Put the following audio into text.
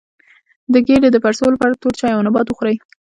د ګیډې د پړسوب لپاره تور چای او نبات وخورئ